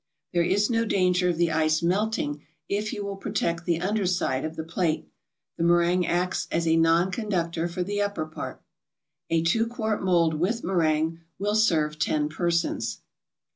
There is no danger of the ice cream melting if you will protect the under side of the plate. The meringue acts as a nonconductor for the upper part. A two quart mold with meringue will serve ten persons.